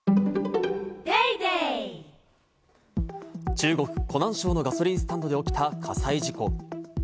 中国・湖南省のガソリンスタンドで起きた火災事故。